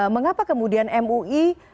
mengapa kemudian mui